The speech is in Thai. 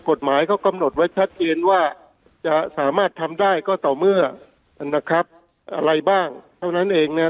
กฎหมายเขากำหนดไว้ชัดเจนว่าจะสามารถทำได้ก็ต่อเมื่อนะครับอะไรบ้างเท่านั้นเองนะครับ